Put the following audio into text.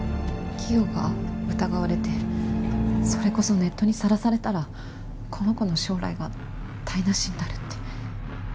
キヨが疑われてそれこそネットに晒されたらこの子の将来が台無しになるって。